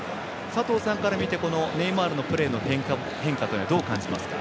佐藤さんから見てネイマールのプレーの変化はどう感じますか？